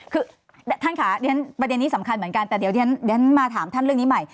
คือท่านค่ะประเด็นนี้สำคัญเหมือนกันแต่เดี๋ยวมาถามท่านเรื่องนี้ใหม่